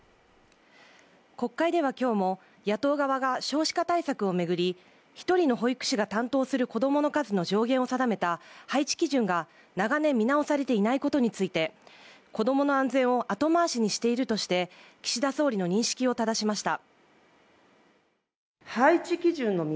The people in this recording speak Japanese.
国会では今日も野党側が少子化対策を巡り、１人の保育士が担当する子供の数の上限を定めた配置基準が長年見直されていないことについて子供の安全を後回しにしているとして、岸田総理の認識をただしました。